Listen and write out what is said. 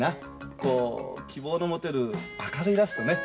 こう希望の持てる明るいラストね。